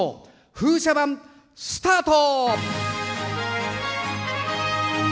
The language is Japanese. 風車盤、スタート！